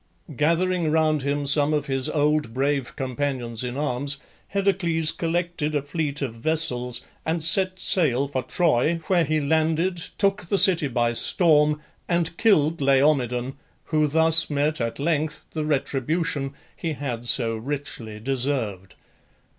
Gathering round him some of his old brave companions in arms, Heracles collected a fleet of vessels and set sail for Troy, where he landed, took the city by storm, and killed Laomedon, who thus met at length the retribution he had so richly deserved.